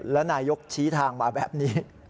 แล้วนายกชี้ทางมาแบบนี้